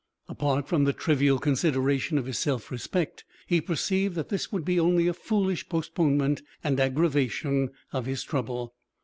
Apart from the trivial consideration of his self respect, he perceived that this would be only a foolish postponement and aggravation of his trouble.